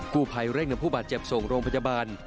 ผู้ภัยเร่งนำผู้บาดเจ็บส่งโรงพยาบาล